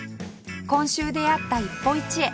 今週出会った一歩一会